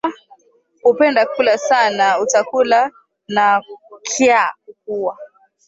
Kupenda kula sana uta kula na kya kukuuwa